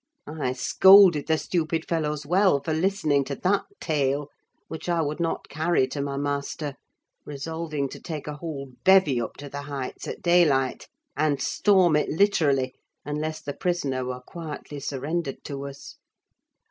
I scolded the stupid fellows well for listening to that tale, which I would not carry to my master; resolving to take a whole bevy up to the Heights, at daylight, and storm it literally, unless the prisoner were quietly surrendered to us.